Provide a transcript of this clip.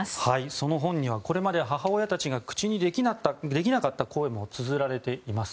その本にはこれまで母親たちが口にできなかった声もつづられています。